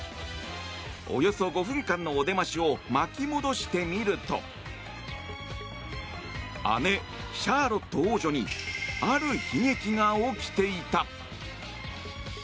およそ５分間のお出ましを巻き戻してみると姉シャーロット王女にある悲劇が起きていた。